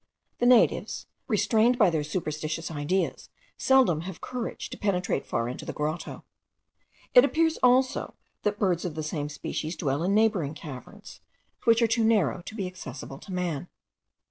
The natives, restrained by their superstitious ideas, seldom have courage to penetrate far into the grotto. It appears also, that birds of the same species dwell in neighbouring caverns, which are too narrow to be accessible to man.